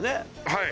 はい。